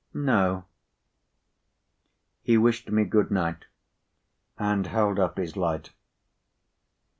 "No." He wished me good night, and held up his light.